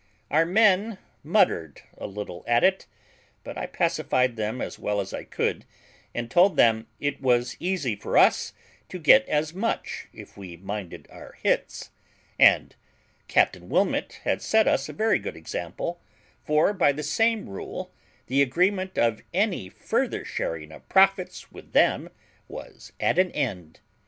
Our men muttered a little at it, but I pacified them as well as I could, and told them it was easy for us to get as much, if we minded our hits; and Captain Wilmot had set us a very good example; for, by the same rule, the agreement of any further sharing of profits with them was at an end.